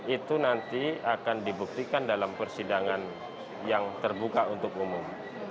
itu nanti akan dibuktikan dalam persidangan yang terbuka untuk umum